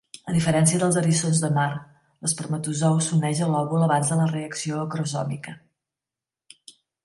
A diferència dels eriçons de mar, l'espermatozou s'uneix a l'òvul abans de la reacció acrosòmica.